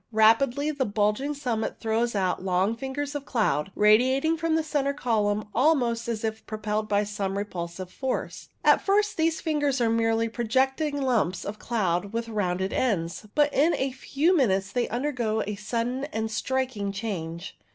Rapidly the bulging summit throws out long fingers of cloud, radiating from the central column almost as if I lo CUMULO NIMBUS propelled by some repulsive force. At first, these fingers are merely projecting lumps of cloud with rounded ends, but in a few minutes they undergo a sudden and striking change.